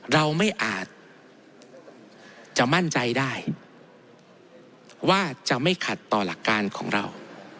เราไม่อาจจะมั่นใจได้ว่าจะไม่ขัดต่อหลักการของเรา